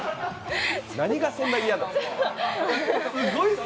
何がそんなに嫌なの。